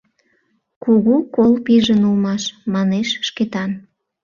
— Кугу кол пижын улмаш, — манеш Шкетан.